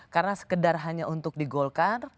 karena sekedar hanya untuk digolkan